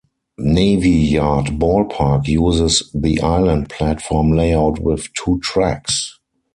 Navy Yard-Ballpark uses the island platform layout with two tracks.